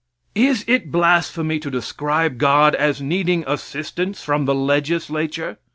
Is it blasphemy to describe God as needing assistance from the Legislature?